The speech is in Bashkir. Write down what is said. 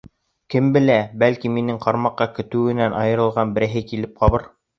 Кем белә, бәлки, минең ҡармаҡҡа көтөүенән айырылған берәйһе килеп ҡабыр.